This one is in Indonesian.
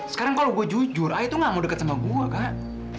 sekarang kalau gue jujur aja tuh gak mau deket sama gue kan